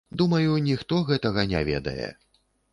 Думаю, ніхто гэтага не ведае.